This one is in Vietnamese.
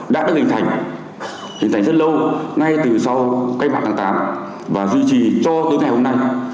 đã được hình thành rất lâu ngay từ sau cây bạc tháng tám và duy trì cho tới ngày hôm nay